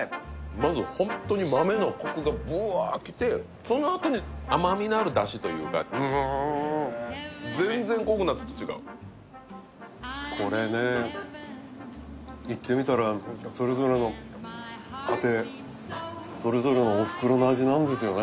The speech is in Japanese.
まずホントに豆のコクがブワー来てそのあとに甘みのある出汁というか全然ココナッツと違うこれね言ってみたらそれぞれの家庭なんですよね